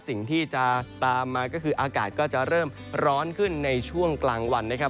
สิ่งที่จะตามมาก็คืออากาศก็จะเริ่มร้อนขึ้นในช่วงกลางวันนะครับ